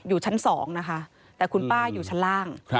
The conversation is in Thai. อยู่ชั้น๒นะคะแต่คุณป้าอยู่ชั้นล่าง